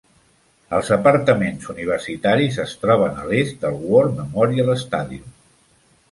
Els apartaments universitaris es troben a l'est del War Memorial Stadium.